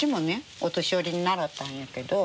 お年寄りに習たんやけど。